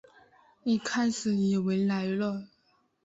一开始以为来了